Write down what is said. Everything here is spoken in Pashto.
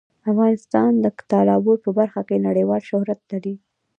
افغانستان د تالابونه په برخه کې نړیوال شهرت لري.